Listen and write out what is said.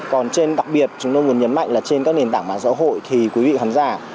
còn trên đặc biệt chúng tôi muốn nhấn mạnh là trên các nền tảng mạng xã hội thì quý vị khán giả